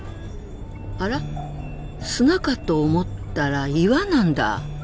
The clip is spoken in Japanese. あら砂かと思ったら岩なんだ。